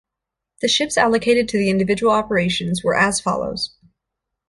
The ships allocated to the individual operations were as follows.